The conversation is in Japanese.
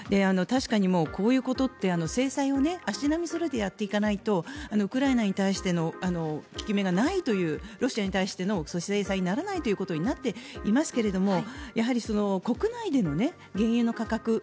確かにこういうことって、制裁を足並みそろえてやっていかないとウクライナに対しての効き目がないというロシアに対しての制裁にならないということになっていますがやはり国内での原油の価格